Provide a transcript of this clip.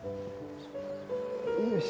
よし。